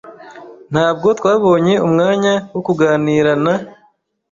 Ntabwo twabonye umwanya wo kuganira na .